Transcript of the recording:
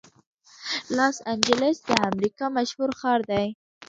لاس انجلس د امریکا مشهور ښار دی.